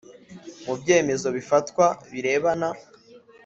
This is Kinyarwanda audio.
mu byemezo bifatwa birebana